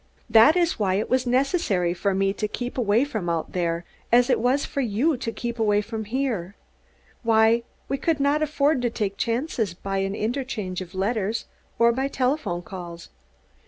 This is why it was necessary for me to keep away from out there as it was for you to keep away from here; why we could not afford to take chances by an interchange of letters or by telephone calls.